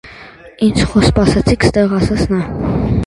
ինձ խո սպանեցիք ըստեղ,- կանչեց նա: